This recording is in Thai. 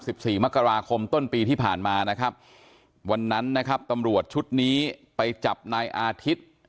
สิบสี่มกราคมต้นปีที่ผ่านมานะครับวันนั้นนะครับตำรวจชุดนี้ไปจับนายอาทิตย์